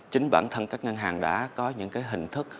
chính bản thân các ngân hàng đã có những hình thức